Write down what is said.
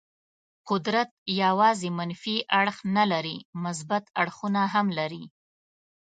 قدرت یوازې منفي اړخ نه لري، مثبت اړخونه هم لري.